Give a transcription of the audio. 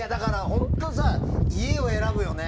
本当、家を選ぶよね。